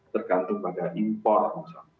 tergantung bagaimana import